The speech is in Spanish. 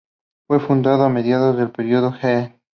Shōkoku-ji fue fundado a mediados del Periodo Heian.